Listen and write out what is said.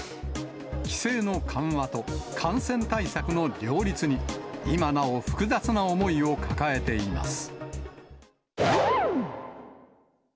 規制の緩和と感染対策の両立に今なお複雑な思いを抱えています。